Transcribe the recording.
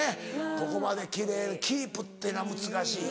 ここまで奇麗をキープっていうのは難しい。